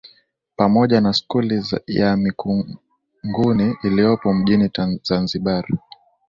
Pamoja na Skuli ya Mikunguni iliyopo mjini Zanzibar.